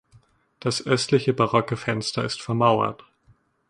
Das östliche barocke Fenster ist vermauert.